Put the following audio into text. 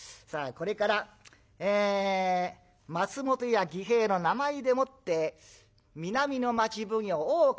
これから松本屋義平の名前でもって南の町奉行大岡